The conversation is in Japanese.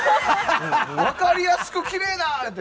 分かりやすくきれいなって。